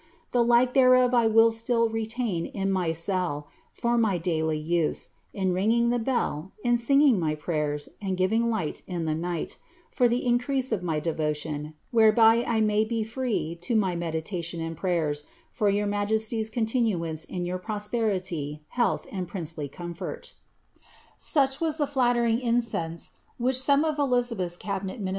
The like thereof I will still retain in my cell, fur my daily use, in ringing the bell, in singin;; my prayers, and giving light in the night, for the increase of my devotion, whereby I may be free to my meditation and prayers, for your majesty's continuance in your prosperity, health, ind princely comfort" ' Geata Grayorum. VOL, TIL 12 134 ELIZABBTB. Surh was the flallering incense which some of Elizabclh^s cabinet iiur.